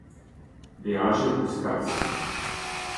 Beajet ez peus kalz.